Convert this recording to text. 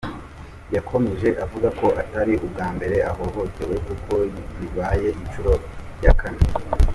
Yakomerje avuga ko atari ubwa mbere ahohotewe kuko bibaye inshuro ya kane.